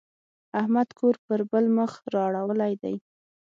احمد کور پر بل مخ را اړولی دی.